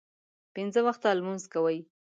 پنځه وخته لمونځ کوي.